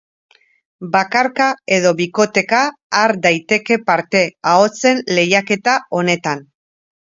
Bakarka edo bikoteka har daiteke parte ahotsen lehiaketa honetan.